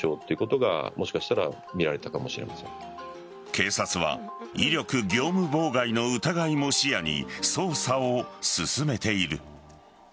警察は威力業務妨害の疑いも視野に捜査を進めている。